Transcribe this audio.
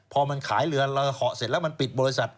พอมันขายเรือเราเหาะเสร็จแล้วมันปิดบริษัท